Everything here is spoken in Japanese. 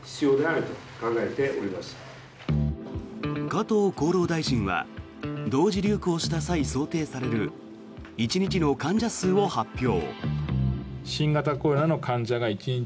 加藤厚労大臣は同時流行した際、想定される１日の患者数を発表。